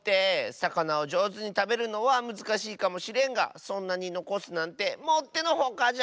さかなをじょうずにたべるのはむずかしいかもしれんがそんなにのこすなんてもってのほかじゃ！